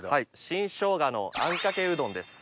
新ショウガのあんかけうどんです。